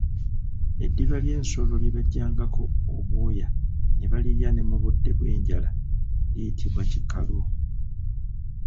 Eddiba ly'ensolo lye bajjangako obwoya ne balirya ne mu budde obw'enjala liyitibwa kikwalo.